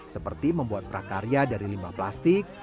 seperti membuat prakarya dari limbah plastik